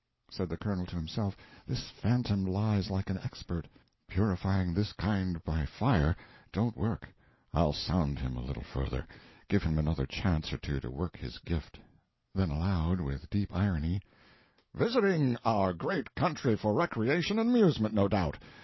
Said the Colonel to himself, "This phantom lies like an expert. Purifying this kind by fire don't work. I'll sound him a little further, give him another chance or two to work his gift." Then aloud—with deep irony— "Visiting our great country for recreation and amusement, no doubt.